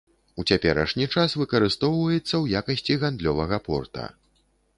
У цяперашні час выкарыстоўваецца ў якасці гандлёвага порта.